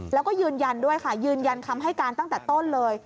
แล้วก็ยืนยันคำให้การตั้งแต่ต้นเลย